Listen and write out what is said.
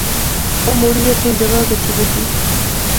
او مڑی اپنیاں جاغا گچھی بہجی گیا